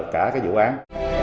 cả cái vụ án